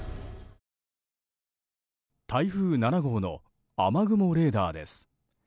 台風７号の雨雲レーダーです。